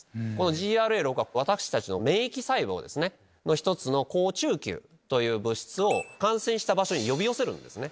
ＧＲＡ６は免疫細胞の１つ好中球という物質を感染した場所に呼び寄せるんです。